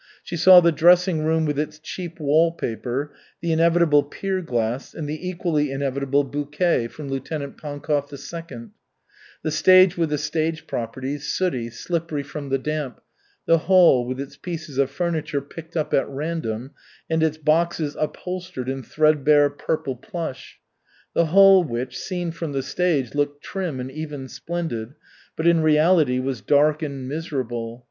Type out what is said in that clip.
She saw the dressing room with its cheap wall paper, the inevitable pier glass and the equally inevitable bouquet from Lieutenant Pankov II; the stage with the stage properties, sooty, slippery from the damp; the hall with its pieces of furniture picked up at random and its boxes upholstered in threadbare purple plush, the hall which, seen from the stage, looked trim and even splendid, but in reality was dark and miserable.